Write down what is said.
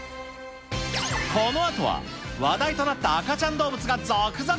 このあとは、話題となった赤ちゃん動物が続々。